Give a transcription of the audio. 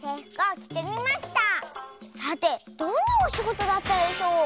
さてどんなおしごとだったでしょう？